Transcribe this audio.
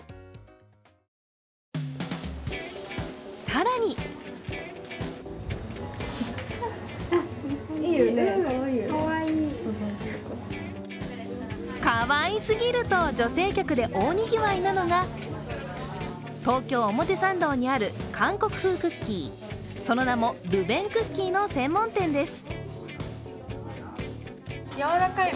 更にかわいすぎる！と女性客で大にぎわいなのが東京・表参道にある韓国風クッキー、その名も、ルベンクッキーの専門店です。